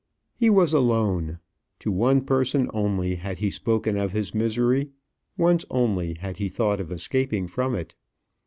He was alone; to one person only had he spoken of his misery; once only had he thought of escaping from it.